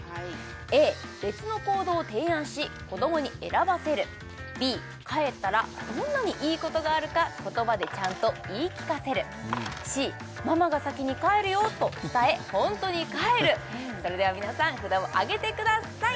Ａ別の行動を提案し子どもに選ばせるＢ帰ったらどんなにいいことがあるか言葉でちゃんと言い聞かせるＣママが先に帰るよと伝え本当に帰るそれでは皆さん札を上げてください